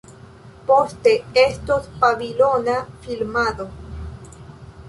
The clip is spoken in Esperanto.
Poste estos pavilona filmado.